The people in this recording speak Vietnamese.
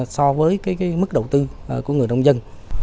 so với mức đầu tư của người nông dân